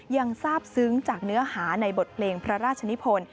ยังทราบซึ้งจากเนื้อหาในบทเพลงพระราชนิพล